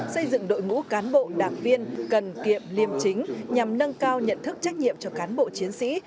xây dựng đội ngũ cán bộ đảng viên cần kiệm liêm chính nhằm nâng cao nhận thức trách nhiệm cho cán bộ chiến sĩ